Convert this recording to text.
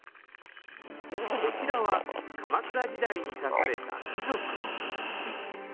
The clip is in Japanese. こちらは鎌倉時代に書かれた貴族の日記。